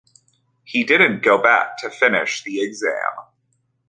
He didn't go back to finish the exam.